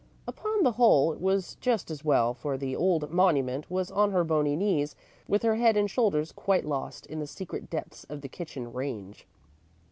Upon the whole, it was just as well, for the "old monument" was on her bony knees, with her head and shoulders quite lost in the secret depths of the kitchen range.